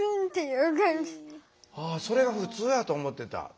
それが普通やと思ってた。